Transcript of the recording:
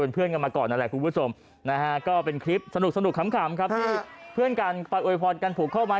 ไปดูครับ